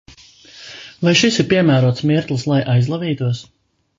Vai šis ir piemērots mirklis, lai aizlavītos?